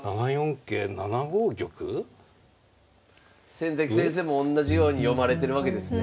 先崎先生もおんなじように読まれてるわけですね？